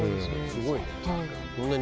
すごいね。